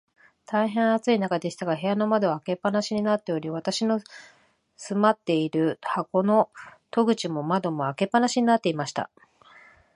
大へん暑い日でしたが、部屋の窓は開け放しになっており、私の住まっている箱の戸口も窓も、開け放しになっていました。